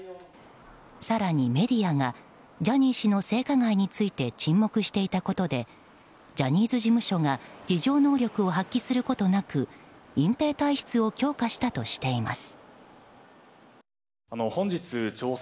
更にメディアがジャニー氏の性加害について沈黙していたことでジャニーズ事務所が自浄能力を発揮することなく隠蔽体質を強化したとしています。